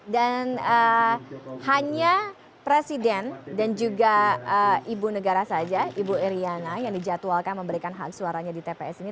dan hanya presiden dan juga ibu negara saja ibu iryana yang dijadwalkan memberikan hak suaranya di tps ini